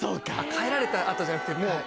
帰られた後じゃなくて。